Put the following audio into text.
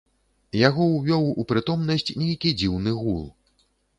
Яго ўвёў у прытомнасць нейкі дзіўны гул.